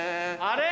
あれ？